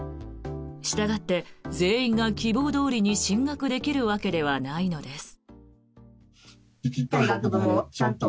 したがって、全員が希望どおりに進学できるわけではないのです。